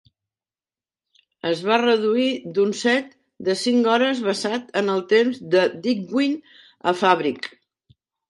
Es va reduir d'un set de cinc hores basat en el temps de Digweed a Fabric.